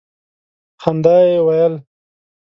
په خندا یې ویل.